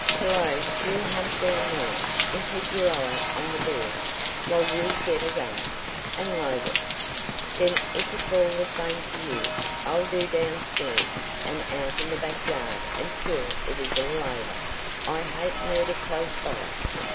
"Cologne you hump down there, and keep your eye on the bear, while we get a gun, and load it. Then if it's all the same to you, I'll do down stairs, and out in the back yard until it is all over. I hate murder close by."